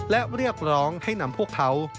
และเรียกร้องให้นำพวกเขา